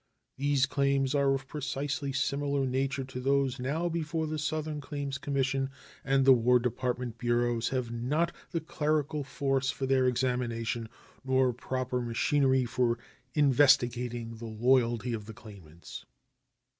These claims are of precisely similar nature to those now before the Southern Claims Commission, and the War Department bureaus have not the clerical force for their examination nor proper machinery for investigating the loyalty of the claimants.